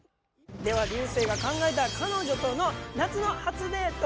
では流星が考えた彼女との夏の初デート